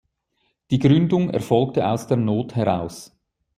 Die Gründung erfolgte aus der Not heraus.